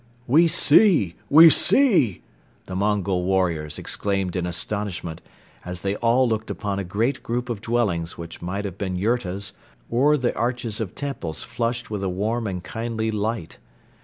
"We see, we see!" the Mongol warriors exclaimed in astonishment, as they all looked upon a great group of dwellings which might have been yurtas or the arches of temples flushed with a warm and kindly light.